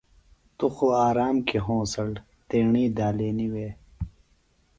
تو خُو آرام کیۡ ہونسڑ تیݨی دالینیۡ وے۔